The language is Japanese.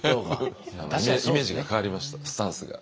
イメージが変わりましたスタンスが。